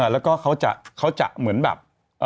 แล้วก็เขาจะเหมือนแบบ